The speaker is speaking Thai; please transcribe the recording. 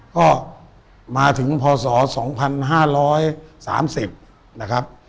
ก็มาถึงพศ๒๕๓๐นะครับ